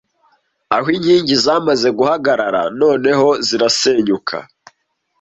aho inkingi zimaze guhagarara noneho zirasenyuka